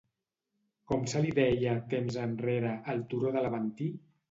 Com se li deia, temps enrere, al turó de l'Aventí?